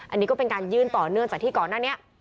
อันนี้ก็เป็นการยื่นต่อเนื่องจากที่ก่อนหน้านี้